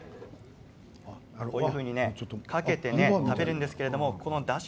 こういうふうにかけて食べるんですけどだし